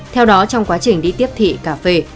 theo đó trong quá trình đi tiếp thị cà phê